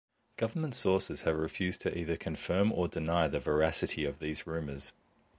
Government sources have refused to either confirm or deny the veracity of these rumours.